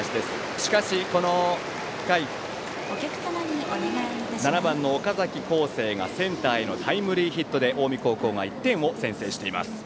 しかし、この回７番の岡崎幸聖がセンターへのタイムリーヒットで近江高校が１点を先制しています。